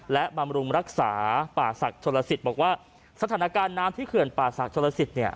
และบำรุงรักษาป่าศักดิ์ชนลสิทธิ์บอกว่าสถานการณ์น้ำที่เขื่อนป่าศักดิชนลสิตเนี่ย